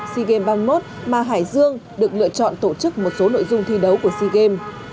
sea games ba mươi một mà hải dương được lựa chọn tổ chức một số nội dung thi đấu của sea games